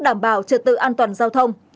đảm bảo trật tự an toàn giao thông